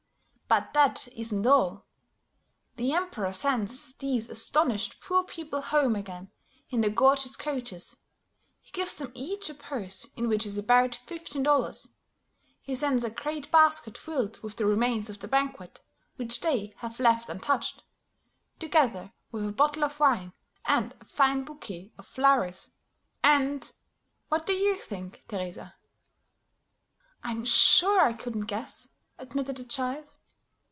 But that isn't all; the Emperor sends these astonished poor people home again in the gorgeous coaches; he gives them each a purse in which is about fifteen dollars; he sends a great basket filled with the remains of the banquet which they have left untouched, together with a bottle of wine and a fine bouquet of flowers; and, what do you think, Teresa?" "I'm sure I couldn't guess," admitted the child.